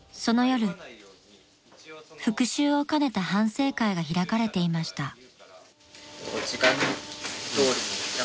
［その夜復習を兼ねた反省会が開かれていました］